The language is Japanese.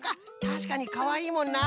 たしかにかわいいもんな。